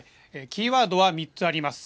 キーワードは３つあります。